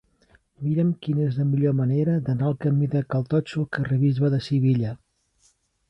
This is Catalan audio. Mira'm quina és la millor manera d'anar del camí de Cal Totxo al carrer del Bisbe Sivilla.